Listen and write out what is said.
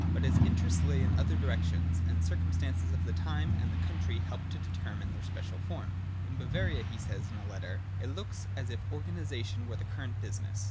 But his interests lay in other directions, and the circum stances of the time and country helped to determine their special form. 'In Bavaria,' he says in a letter*, ' it looks as if organisation were the current business.'